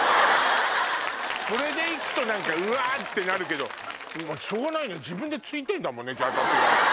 それで行くと何かうわってなるけどしょうがないねついてるんだもんキャタピラー。